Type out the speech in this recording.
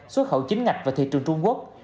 xuất khẩu chính ngạch vào thị trường trung quốc